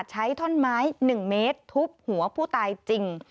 ท่อนไม้๑เมตรทุบหัวผู้ตายจริง